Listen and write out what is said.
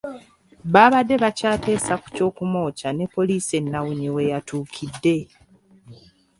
Baabadde bakyateesa ku ky’okumwokya ne poliisi ennawunyi we yatuukidde